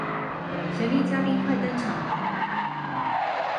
神祕嘉賓快登場了